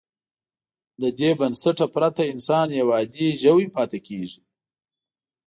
له دې بنسټه پرته انسان یو عادي ژوی پاتې کېږي.